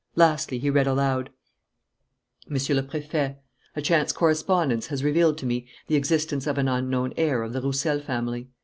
Lastly, he read aloud: "MONSIEUR LE PRÉFET: "A chance correspondence has revealed to me the existence of an unknown heir of the Roussel family.